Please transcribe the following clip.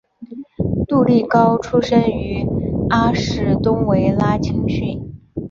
杜利高出身于阿士东维拉青训。